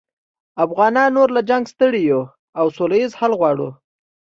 افغانان نور له جنګه ستړي یوو او سوله ییز حل غواړو